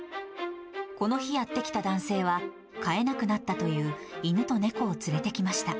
この日やって来た男性は、飼えなくなったという犬と猫を連れてきました。